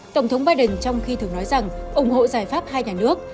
tổng thống biden trong khi thường nói rằng ủng hộ giải pháp hai nhà nước